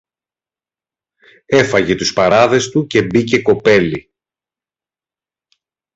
Έφαγε τους παράδες του και μπήκε κοπέλι